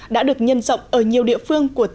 đã được nhân rộng ở nhiều địa phương